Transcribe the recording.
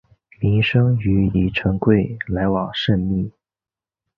明升与李成桂来往甚密。